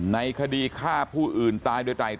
ในคดีฆ่าผู้อื่นตายโดยไตรต